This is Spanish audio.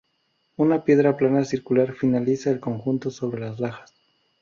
Una piedra plana circular finaliza el conjunto sobre las lajas.